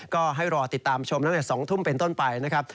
ก็ให้รอติดตามชมตั้งแต่๒ทุ่มเป็นต้นไปนะครับ